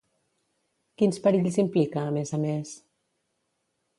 Quins perills implica, a més a més?